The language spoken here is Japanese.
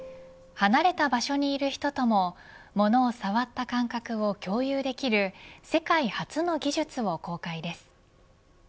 離れた場所にいる人とも物を触った感覚を共有できる世界初の技術を公開です。